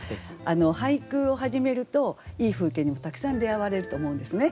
俳句を始めるといい風景にたくさん出会われると思うんですね。